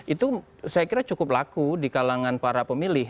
itu saya kira cukup laku di kalangan para pemilih